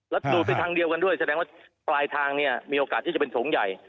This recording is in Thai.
แล้วดูดไปทางเดียวกันด้วยแสดงว่าปลายทางเนี่ยมีโอกาสที่จะเป็นโถงใหญ่